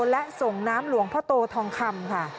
และส่งน้ำหลวงพ่อโตทองคำค่ะ